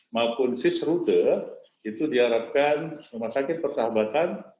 maupun sisrude itu diharapkan rumah sakit pertahabatan